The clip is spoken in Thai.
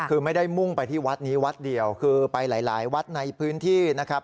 คือไม่ได้มุ่งไปที่วัดนี้วัดเดียวคือไปหลายวัดในพื้นที่นะครับ